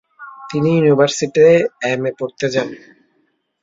তিনি ইউনিভার্সিটিতে এম.এ. পড়তে যান।